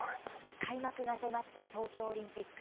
開幕が迫った東京オリンピック。